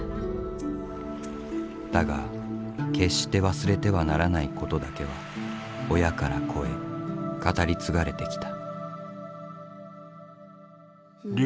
だが決して忘れてはならないことだけは親から子へ語り継がれてきた。